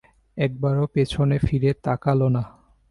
একবারও পেছনে ফিরে তাকাল না।